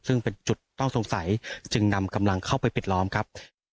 ซึ่งเป็นจุดต้องสงสัยจึงนำกำลังเข้าไปปิดล้อมครับ